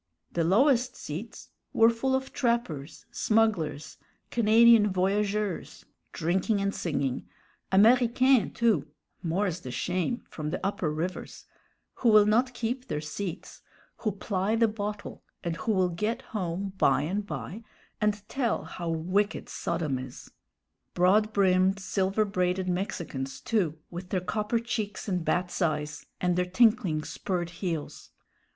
The lowest seats were full of trappers, smugglers, Canadian voyageurs, drinking and singing; Américains, too more's the shame from the upper rivers who will not keep their seats who ply the bottle, and who will get home by and by and tell how wicked Sodom is; broad brimmed, silver braided Mexicans too, with their copper cheeks and bat's eyes, and their tinkling spurred heels.